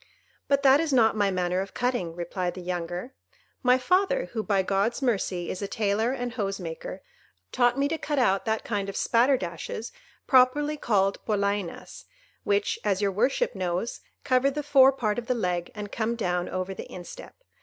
"But that is not my manner of cutting," replied the younger. "My father, who, by God's mercy, is a tailor and hose maker, taught me to cut out that kind of spatterdashes properly called Polainas, which, as your worship knows, cover the fore part of the leg and come down over the instep.